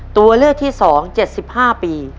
ตัวเลือกที่๒๗๕ปี